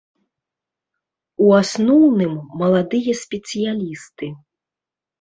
У асноўным, маладыя спецыялісты.